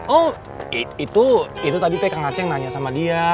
oh itu tadi kak acing nanya sama dia